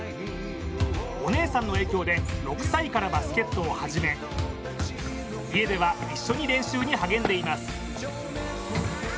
お姉さんの影響で６歳からバスケットを始め家では一緒に練習に励んでいます。